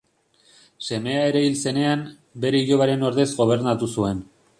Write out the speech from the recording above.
Semea ere hil zenean, bere ilobaren ordez gobernatu zuen.